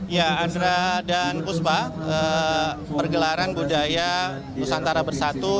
ya andra dan puspa pergelaran budaya nusantara bersatu